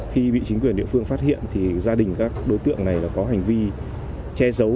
khi bị chính quyền địa phương phát hiện thì gia đình các đối tượng này có hành vi che giấu